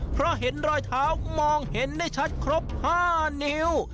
เพราะเห็นรอยเท้ามองเห็นได้ชัดครบ๕นิ้ว